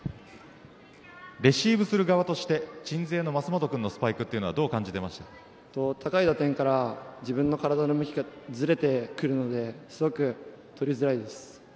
レシーブする側として鎮西の舛本君のスパイクは高い打点から自分の体の向きがずれてくるのですごく取りづらいです。